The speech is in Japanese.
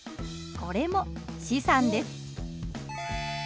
これも資産です。